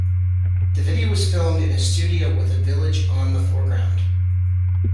The video was filmed in a studio with a village on the foreground.